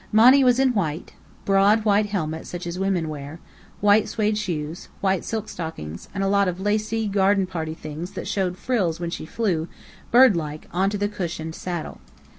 Monny was in white: broad white helmet such as women wear, white suede shoes, white silk stockings, and a lot of lacy, garden party things that showed frills when she flew, birdlike, onto the cushioned saddle.